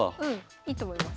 いいと思います。